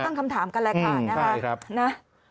ต้องตั้งคำถามกันแหละค่ะอืมใช่ครับนะ